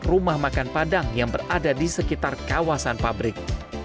rumah makan padang yang berada di sekitar kawasan pabrik